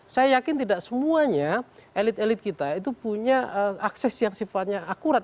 saya yakin tidak semuanya elit elit kita itu punya akses yang sifatnya akurat